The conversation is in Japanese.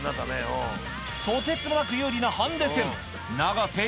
とてつもなく有利なハンデ戦。